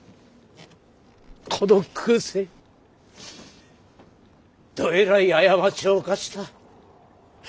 この空誓どえらい過ちを犯した。